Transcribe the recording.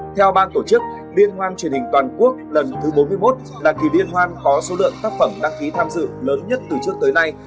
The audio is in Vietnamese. theo ban tổ chức liên hoan truyền hình toàn quốc lần thứ bốn mươi một là kỳ liên hoan có số lượng tác phẩm đăng ký tham dự lớn nhất từ trước tới nay